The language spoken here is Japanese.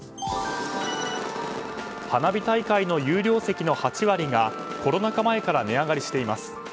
花火大会の有料席の８割がコロナ禍前から値上がりしています。